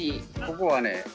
ここはね。